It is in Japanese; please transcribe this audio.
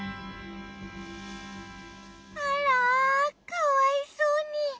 あらかわいそうに。